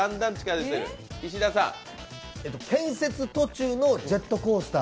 建設途中のジェットコースター。